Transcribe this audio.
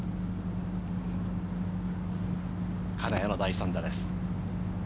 金谷の第３打です。